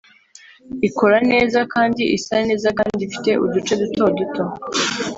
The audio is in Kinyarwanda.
ikora neza kandi isa neza kandi ifite uduce duto duto